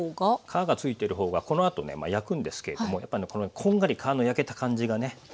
皮がついてるほうがこのあとね焼くんですけれどもやっぱこんがり皮の焼けた感じがね